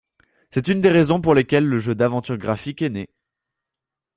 C'est une des raisons pour lesquelles le jeu d'aventure graphique est né.